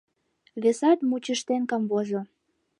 Весат мучыштен камвозо.